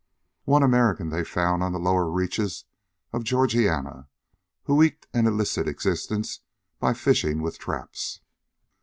One American they found on the lower reaches of Georgiana who eked an illicit existence by fishing with traps.